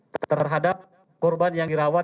terhadap korban yang dirawat